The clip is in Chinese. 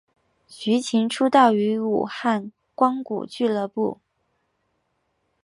徐擎出道于武汉光谷俱乐部。